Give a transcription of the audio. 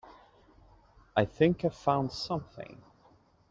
I think I found something.